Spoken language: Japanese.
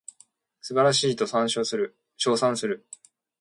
素晴らしいと称賛する